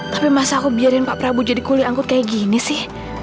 tapi masa aku biarin pak prabu jadi kuli angkut kayak gini sih